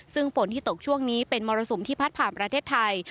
ซึ่งฝนที่ตกช่วงนี้เป็นมรสุมที่พัดผ่านประเทศไทย